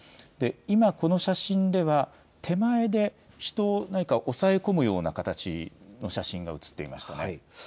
今この写真では手前で人を何か押さえ込むような形の写真が写っていましたね。